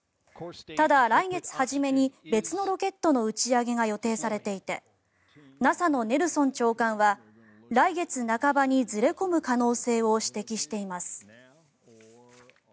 ただ、来月初めに別のロケットの打ち上げが予定されていてＮＡＳＡのネルソン長官は来月半ばにずれ込む可能性を指摘しています。